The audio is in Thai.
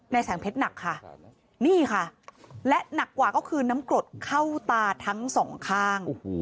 แสงเพชรหนักค่ะนี่ค่ะและหนักกว่าก็คือน้ำกรดเข้าตาทั้งสองข้าง